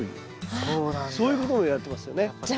そういうこともいわれてますよね。